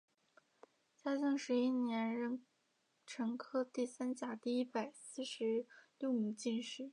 嘉靖十一年壬辰科第三甲第一百四十六名进士。